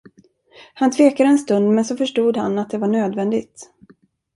Han tvekade en stund, men så förstod han, att det var nödvändigt.